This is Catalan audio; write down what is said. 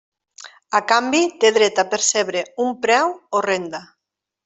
A canvi, té dret a percebre un preu o renda.